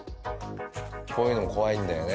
こういうの怖いんだよね。